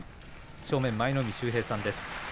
正面、舞の海秀平さんです。